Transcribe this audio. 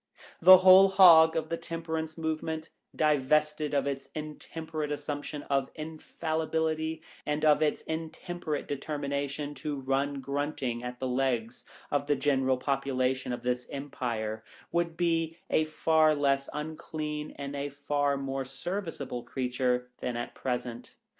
The Whole Hog of the Tem perance Movement, divested of its intemperate assumption of infallibility and of its intem perate determination to run grunting at the legs of the general population of this, empire, would be a far less unclean and a far more serviceable creature than at present.